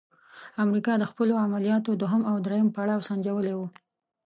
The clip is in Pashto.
امریکا د خپلو عملیاتو دوهم او دریم پړاو سنجولی وو.